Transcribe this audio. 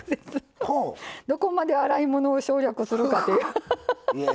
どこまで洗い物を省略するかというははははっ。